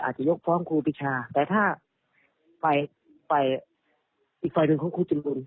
อาจจะยกฟ้องครูปิชาแต่ถ้าฝ่ายฝ่ายอีกฝ่ายหนึ่งของครูจรุน